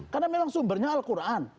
karena memang sumbernya al quran